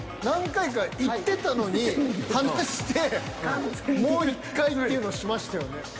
何回かいってたのに放してもう１回っていうのしましたよね？